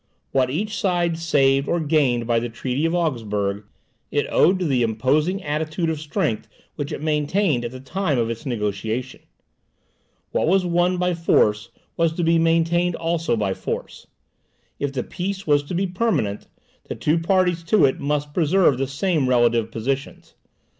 What each side saved or gained by the treaty of Augsburg, it owed to the imposing attitude of strength which it maintained at the time of its negociation. What was won by force was to be maintained also by force; if the peace was to be permanent, the two parties to it must preserve the same relative positions.